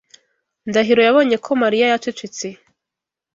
Ndahiro yabonye ko Mariya yacecetse.